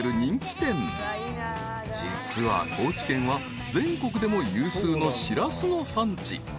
［実は高知県は全国でも有数のしらすの産地］